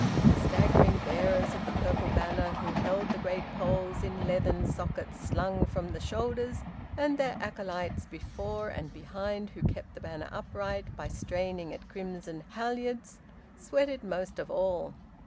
The staggering bearers of the purple banner, who held the great poles in leathern sockets slung from the shoulders, and their acolytes before and behind who kept the banner upright by straining at crimson halyards, sweated most of all.